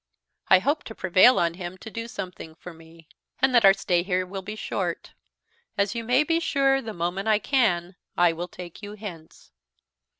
I hope to prevail on him to do something for me; and that our stay here will be short; as, you may be sure, the moment I can, I will take you hence.